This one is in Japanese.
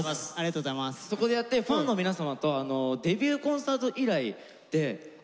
そこでやってファンの皆様とデビューコンサート以来で会ったのが。